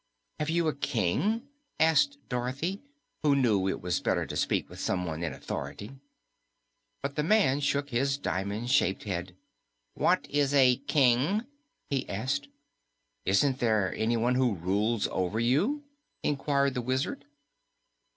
"Have you a King?" asked Dorothy, who knew it was better to speak with someone in authority. But the man shook his diamond like head. "What is a King?" he asked. "Isn't there anyone who rules over you?" inquired the Wizard.